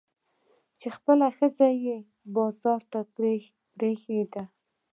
چې خپلې ښځې بازار ته پرېږدي.